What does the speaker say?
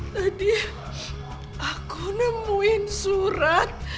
tadi aku nemuin surat